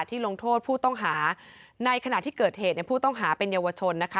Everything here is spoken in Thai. ลงโทษผู้ต้องหาในขณะที่เกิดเหตุเนี่ยผู้ต้องหาเป็นเยาวชนนะคะ